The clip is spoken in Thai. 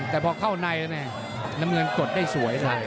แต่พอเข้าในเนี่ยเนี่ยน้ำเงินกดได้สวยเลย